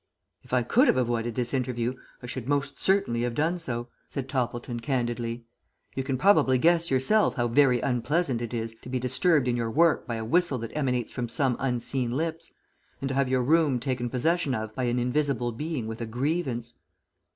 "If I could have avoided this interview I should most certainly have done so," said Toppleton, candidly. "You can probably guess yourself how very unpleasant it is to be disturbed in your work by a whistle that emanates from some unseen lips, and to have your room taken possession of by an invisible being with a grievance."